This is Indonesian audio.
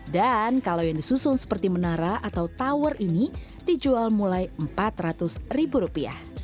dan kalau yang disusun seperti menara atau tower ini dijual mulai rp empat ratus